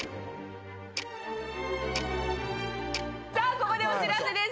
さあここでお知らせです。